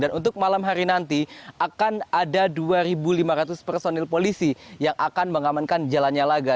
dan untuk malam hari nanti akan ada dua lima ratus personil polisi yang akan mengamankan jalannya laga